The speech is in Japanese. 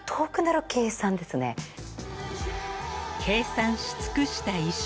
［計算し尽くした衣装］